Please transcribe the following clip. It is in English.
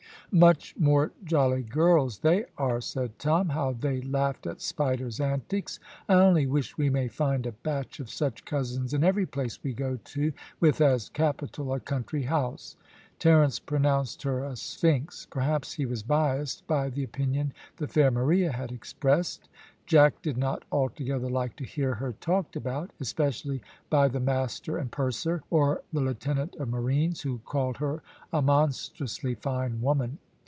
"Much more jolly girls they are," said Tom. "How they laughed at Spider's antics! I only wish we may find a batch of such cousins in every place we go to with as capital a country house." Terence pronounced her a Sphinx. Perhaps he was biassed by the opinion the fair Maria had expressed. Jack did not altogether like to hear her talked about, especially by the master and purser, or the lieutenant of marines, who called her a monstrously fine woman.